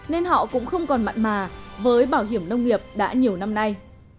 nên họ cũng không còn mặn mà với bảo hiểm nông nghiệp đã nhiều năm nay